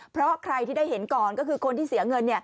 เพราะใครที่ได้เห็นก่อนก็คือคนที่เสียเงิน